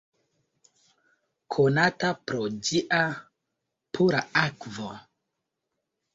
Konata pro ĝia pura akvo.